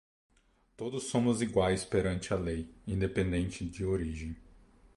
Todos somos iguais perante a lei, independentemente de origem.